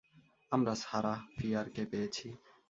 আমরা সারাহ ফিয়ারকে পেয়েছি।